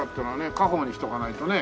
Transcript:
家宝にしとかないとね。